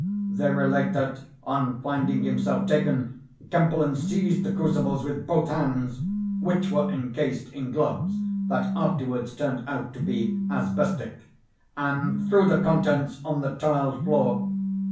They relate that, on finding himself taken, Kempelen seized the crucibles with both hands (which were encased in gloves that afterwards turned out to be asbestic), and threw the contents on the tiled floor.